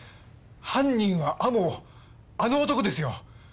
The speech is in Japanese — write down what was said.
犯人は天羽あの男ですよ！